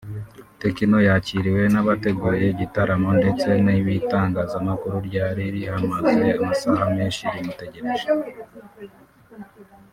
Tekno yakiriwe n’abateguye igitaramo ndetse n’itangazamakuru ryari rihamaze amasaha menshi rimutegereje